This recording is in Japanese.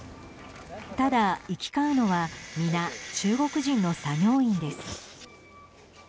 ただ、行き交うのは皆、中国人の作業員です。